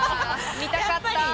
見たかった。